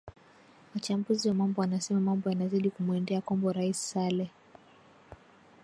wachambuzi wa mambo wanasema mambo yanazidi kumwendea kombo rais sale